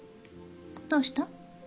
どうした？